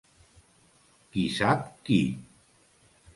Qui sap qui.